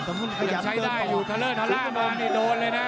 ขยับใช้ได้อยู่ทะเลอร์ทอล่ามานี่โดนเลยนะ